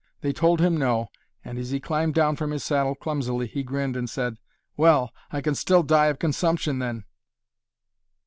They told him no and as he climbed down from his saddle clumsily he grinned and said: "Well, I can still die of consumption, then!"